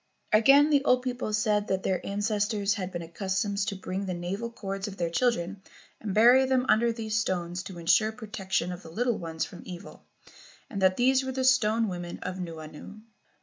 Again the old people said that their ancestors had been accustomed to bring the navel cords of their children and bury them under these stones to insure protection of the little ones from evil, and that these were the stone women of Nuuanu.